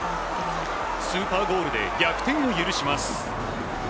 スーパーゴールで逆転を許します。